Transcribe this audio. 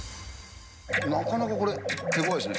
なかなかこれ、手ごわいですね。